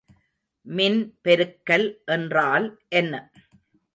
மின்பெருக்கல் என்றால் என்ன?